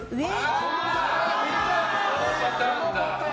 このパターンだ！